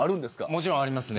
もちろんあります。